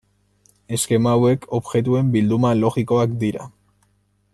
Eskema hauek objektuen bilduma logikoak dira.